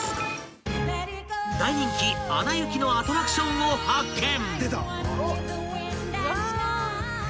［大人気『アナ雪』のアトラクションを発見！］